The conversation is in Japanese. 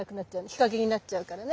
日陰になっちゃうからね。